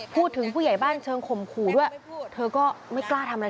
ผู้ใหญ่บ้านเชิงข่มขู่ด้วยเธอก็ไม่กล้าทำอะไร